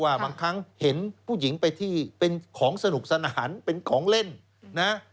บางครั้งเห็นผู้หญิงไปที่เป็นของสนุกสนานเป็นของเล่นนะ